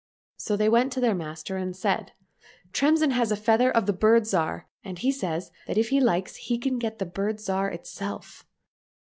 — So they went to their master and said, " Tremsin has a feather of the Bird Zhar, and he says that if he likes he can get the Bird Zhar itself."